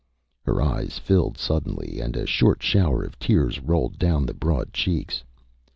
Â Her eyes filled suddenly, and a short shower of tears rolled down the broad cheeks.